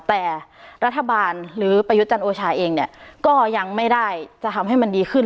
แต่รัฐบาลหรือประยุทธ์จันทร์โอชาเองเนี่ยก็ยังไม่ได้จะทำให้มันดีขึ้น